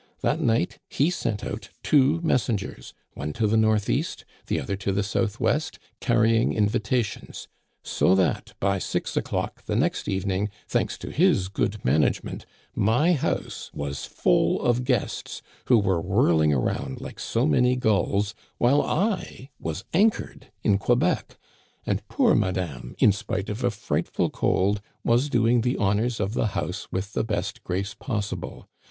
That night he sent out two messengers, one to the northeast, the other to the southwest, carrying invitations ; so that by six o'clock the next evening, thanks to his good management, my house was full of guests, who were whirling around like so many gulls, while I was anchored in Quebec, and poor madame, in spite of a frightful cold, was doing the honors of the house with the best grace possible.